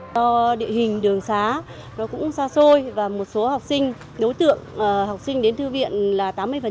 do địa hình đường xá nó cũng xa xôi và một số học sinh đối tượng học sinh đến thư viện là tám mươi